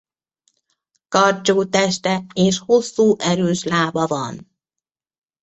Karcsú teste és hosszú erős lába van.